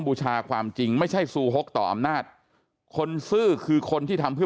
บูชาความจริงไม่ใช่ซูฮกต่ออำนาจคนซื่อคือคนที่ทำเพื่อ